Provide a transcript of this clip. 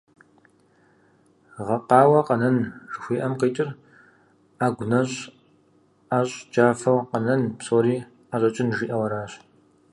«Гъэкъауэ къэнэн» жыхуиӏэм къикӏыр Ӏэгу нэщӀ ӀэщӀ джафэу къэнэн, псори ӀэщӀэкӀын жиӏэу аращ.